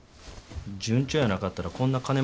順調やなかったらこんな金回りのええ